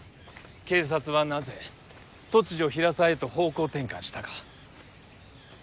警察はなぜ突如平沢へと方向転換したか。